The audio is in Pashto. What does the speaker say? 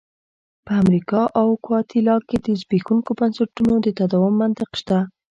په امریکا او ګواتیلا کې د زبېښونکو بنسټونو د تداوم منطق شته.